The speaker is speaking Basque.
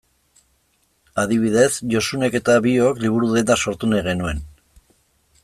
Adibidez, Josunek eta biok liburu-denda sortu nahi genuen.